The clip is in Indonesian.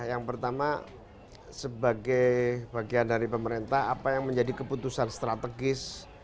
yang pertama sebagai bagian dari pemerintah apa yang menjadi keputusan strategis